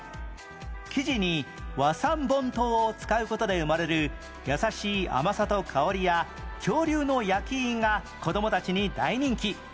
生地に和三盆糖を使う事で生まれる優しい甘さと香りや恐竜の焼き印が子供たちに大人気